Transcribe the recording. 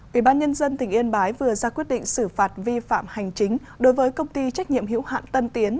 ủy ban nhân dân tỉnh yên bái vừa ra quyết định xử phạt vi phạm hành chính đối với công ty trách nhiệm hữu hạn tân tiến